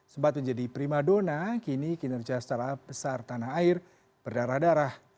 sempat menjadi prima dona kini kinerja startup besar tanah air berdarah darah